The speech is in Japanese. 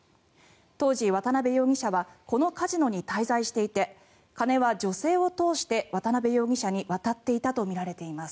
当時、渡邉容疑者はこのカジノに滞在していて金は女性を通して渡邉容疑者に渡っていたとみられています。